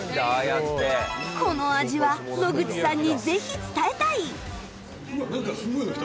この味は野口さんにぜひ伝えたい！